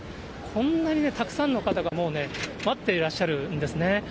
こんなにたくさんの方がもうね、待っていらっしゃるんですね。